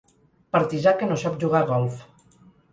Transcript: Partisà que no sap jugar a golf.